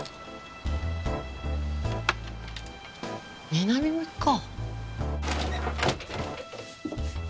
南向きか。